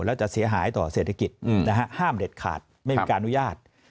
แล้วจะเสียหายต่อเศรษฐกิจห้ามเด็ดขาดไม่มีการอนุญาต